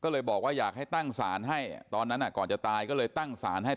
ก็เลยบอกว่าอยากให้ตั้งศาลให้ตอนนั้นก่อนจะตายก็เลยตั้งสารให้